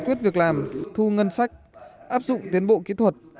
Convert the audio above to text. giải quyết việc làm thu ngân sách áp dụng tiến bộ kỹ thuật